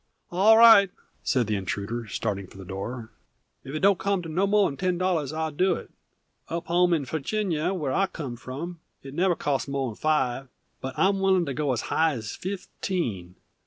"All right," said the intruder, starting to the door. "If it don't come to no moh'n ten dollahs, I'll do it. Up home in Ferginia, where I come from, it never costs moh'n five; but I'm willin' to go as high as fifteen.